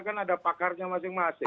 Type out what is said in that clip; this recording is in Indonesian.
kan ada pakarnya masing masing